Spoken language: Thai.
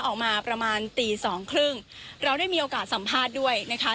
ออกมาประมาณตี๒๓๐แล้วได้มีโอกาสสัมภาษณ์ด้วยนะคะ